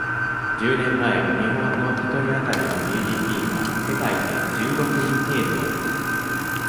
十年前、日本の一人当たりの ＧＤＰ は、世界で、十六位程度だった。